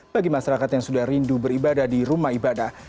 bagi masyarakat yang sudah rindu beribadah di rumah ibadah